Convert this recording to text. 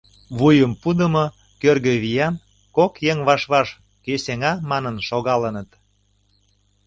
Вуй пуыдымо кӧргӧ виян кок еҥ ваш-ваш «кӧ сеҥа» манын шогалыныт.